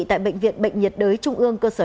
tại bệnh viện bệnh nhiệt đới trung ương cơ sở đông anh